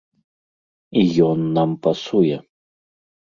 І ён нам пасуе.